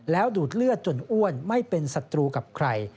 แล้วดูดเลือดจนอ้วนไม่เป็นศัตรูกับใคร